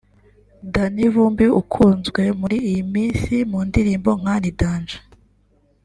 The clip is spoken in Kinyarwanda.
Danny Vumbi ukunzwe muri iyi minsi mu ndirimbo nka Ni Danger